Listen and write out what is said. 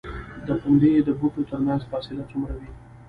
د پنبې د بوټو ترمنځ فاصله څومره وي؟